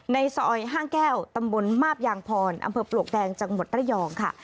ในซอยห้างแก้วตำบลมาบยางพรอำเภอปลวกแดงจังหวัดระยองค่ะ